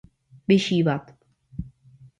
Vyšívat.